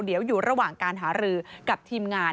เดี๋ยวอยู่ระหว่างการหารือกับทีมงาน